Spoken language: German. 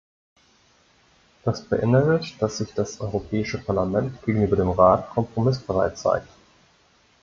Das beinhaltet, dass sich das Europäische Parlament gegenüber dem Rat kompromissbereit zeigt.